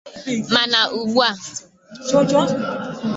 mana ugbua